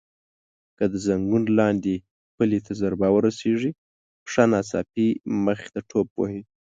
که د زنګون لاندې پلې ته ضربه ورسېږي پښه ناڅاپي مخې ته ټوپ وهي.